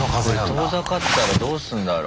これ遠ざかったらどうすんだろう。